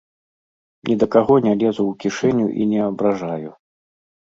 Ні да каго не лезу ў кішэню і не абражаю.